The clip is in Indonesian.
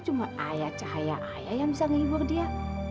cuma ayah cahaya ayah yang bisa menghibur dia